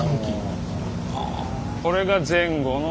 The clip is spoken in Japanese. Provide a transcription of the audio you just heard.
これが前後の。